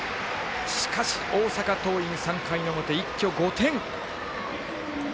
しかし、大阪桐蔭３回の表一挙５点。